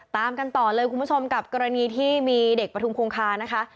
ตามกันต่อเลยคุณผู้ชมกับกรณีที่มีเด็กประทุมคงคานะคะ